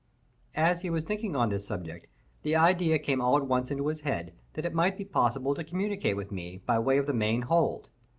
As he was thinking on this subject, the idea came all at once into his head that it might be possible to communicate with me by the way of the main hold.